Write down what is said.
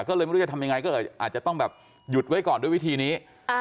ก็เลยไม่รู้จะทำยังไงก็เลยอาจจะต้องแบบหยุดไว้ก่อนด้วยวิธีนี้